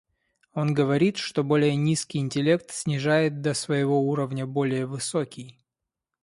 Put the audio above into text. Он говорит, что более низкий интеллект снижает до своего уровня более высокий.